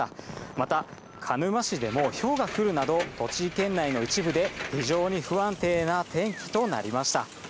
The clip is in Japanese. また鹿沼市でもひょうが降るなど、栃木県内の一部で非常に不安定な天気となりました。